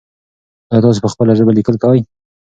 ایا تاسو په خپله ژبه لیکل کوئ؟